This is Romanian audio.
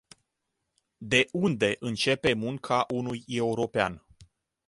De unde începe munca unui european?